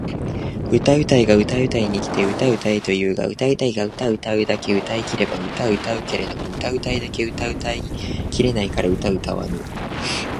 歌うたいが歌うたいに来て歌うたえと言うが歌うたいが歌うたうだけうたい切れば歌うたうけれども歌うたいだけ歌うたい切れないから歌うたわぬ！？